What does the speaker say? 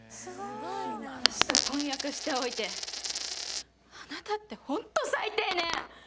私と婚約しておいてあなたってホント最低ね！